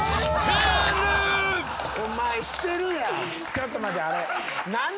ちょっと待ってあれ。